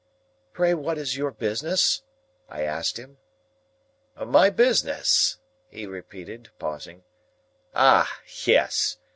"Pray what is your business?" I asked him. "My business?" he repeated, pausing. "Ah! Yes.